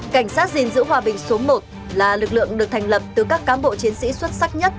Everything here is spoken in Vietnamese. cảnh sát gìn giữ hòa bình số một là lực lượng được thành lập từ các cám bộ chiến sĩ xuất sắc nhất